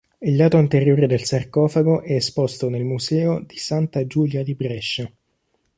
Il lato anteriore del sarcofago è esposto nel museo di Santa Giulia di Brescia.